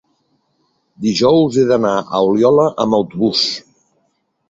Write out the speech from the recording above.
dijous he d'anar a Oliola amb autobús.